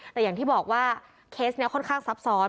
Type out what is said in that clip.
แต่อย่างที่บอกว่าเคสนี้ค่อนข้างซับซ้อน